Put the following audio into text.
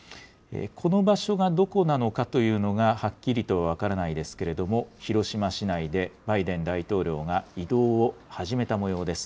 この場所がどこなのかというのが、はっきりとは分からないですけれども、広島市内でバイデン大統領が移動を始めたもようです。